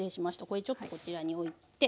これちょっとこちらに置いて。